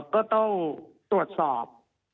ก็ต้องตรวจสอบ